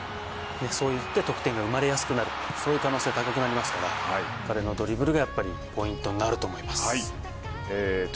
そうやって得点が生まれやすくなるそういう可能性高くなりますから彼のドリブルがやっぱりポイントになると思います。